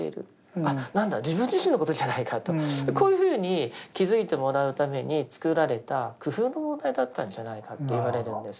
あっなんだ自分自身のことじゃないかとこういうふうに気付いてもらうために作られた工夫の問題だったんじゃないかといわれるんです。